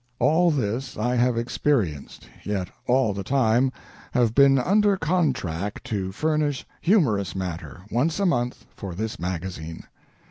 All this I have experienced, yet all the time have been under contract to furnish humorous matter, once a month, for this magazine